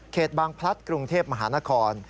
บางพลัดกรุงเทพมหานคร